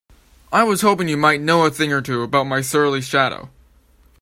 I was hoping you might know a thing or two about my surly shadow?